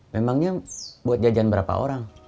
memangnya buat jajan berapa orang